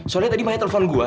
soalnya tadi maya telpon gue